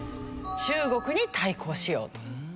中国に対抗しようと。